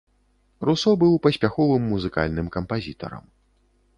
Русо быў паспяховым музыкальным кампазітарам.